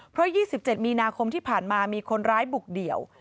เพราะ๒๗มีนาคมที่ผ่านมามีคนร้ายบุกเดี่ยว